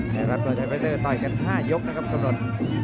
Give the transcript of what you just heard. และรับตัวใต้ไฟเซอร์ต่อยกัน๕ยกนะครับกำหนด